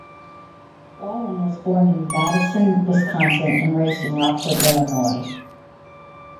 Wallem was born in Madison, Wisconsin, and raised in Rockford, Illinois.